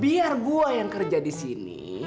biar gua yang kerja disini